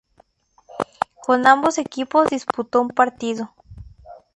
Con ambos equipos disputó un partido.